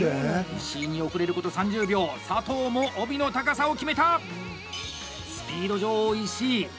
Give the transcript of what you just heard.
石井に遅れること３０秒佐藤も帯の高さを決めた！